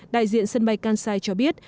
đại diện sân bay kansai cho biết